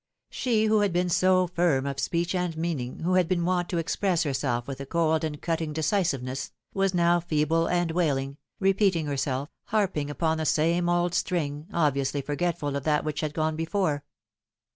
She who had been so firm of speech and meaning, who had been wont to express her aelf with a cold and cutting decisiveness, was now feeble and Aa the Sands Rwn Down. 299 Wailing, repeating herself, harping upon the same old string, obviously forgetful of that which had gone before.